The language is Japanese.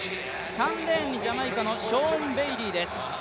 ３レーンにジャマイカのショーン・ベイリーです。